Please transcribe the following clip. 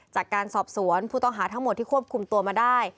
จากการสอบสวนผู้ต้องหาทั้งหมดที่ควบคุมตัวมาได้